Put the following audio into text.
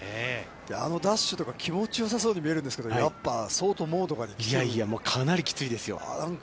◆あのダッシュとか気持ちよさそうに見えるんですけど、やっぱり相当ももとかに来てますか。